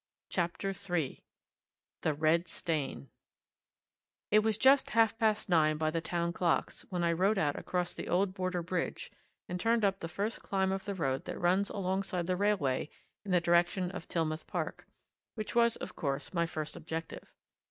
CHAPTER III THE RED STAIN It was just half past nine by the town clocks when I rode out across the old Border Bridge and turned up the first climb of the road that runs alongside the railway in the direction of Tillmouth Park, which was, of course, my first objective.